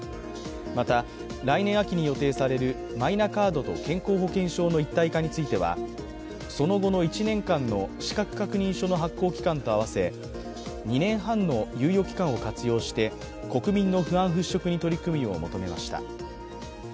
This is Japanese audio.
また来年秋に予定されるマイナカードと健康保険証の一体化については、その後の１年間の資格確認書の発行期間と合わせ２年半の猶予期間を活用して国民の不安払拭に取り組むよう求めました。